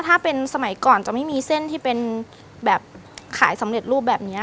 ถ้าเป็นสมัยก่อนจะไม่มีเส้นที่เป็นแบบขายสำเร็จรูปแบบนี้